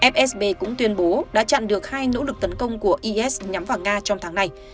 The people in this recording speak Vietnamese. fsb cũng tuyên bố đã chặn được hai nỗ lực tấn công của is nhắm vào nga trong tháng này